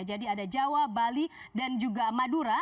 jadi ada jawa bali dan juga madura